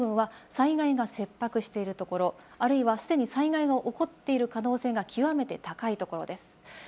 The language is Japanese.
この黒い部分は災害が切迫しているところ、あるいは既に災害が起こっている可能性が極めて高いところです。